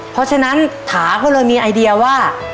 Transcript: เพราะฉะนั้นถาก็เลยมีไอเดียว่า